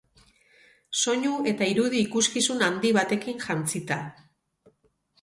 Soinu eta irudi ikuskizun handi batekin jantzita.